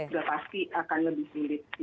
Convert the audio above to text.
sudah pasti akan lebih sulit